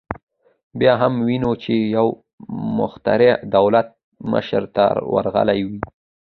بیا هم وینو چې یو مخترع دولت مشر ته ورغلی و